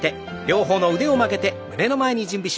両方の腕を曲げて胸の前に。